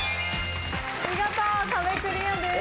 見事壁クリアです。